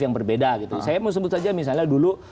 yang berbeda gitu saya mau sebut saja misalnya dulu